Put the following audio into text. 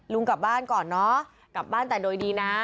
กลับบ้านก่อนเนอะกลับบ้านแต่โดยดีนะ